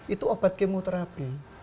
itu obat kemoterapi